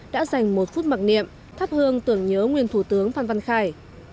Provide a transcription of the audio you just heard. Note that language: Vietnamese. đã dành một phút mặc niệm thắp hương tưởng nhớ nguyên thủ tướng phan văn khải